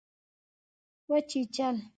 وچیچل